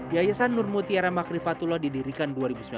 yayasan nur mutiara makrifatullah didirikan dua ribu sembilan belas